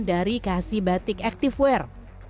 dari kc batik activewear